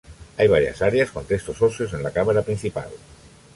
Hay varias áreas con restos óseos en la cámara principal.